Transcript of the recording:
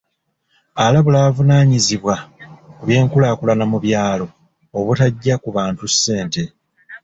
Alabula abavunaanyizibwa ku by'enkulaakulana mu byalo obutajja ku bantu ssente.